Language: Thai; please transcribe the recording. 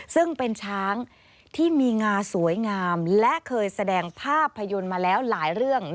ซึ่งเป็นช้างที่มีงาสวยงามและเคยแสดงภาพยนตร์มาแล้วหลายเรื่อง